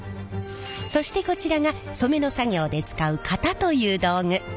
そしてこちらが染めの作業で使う型という道具。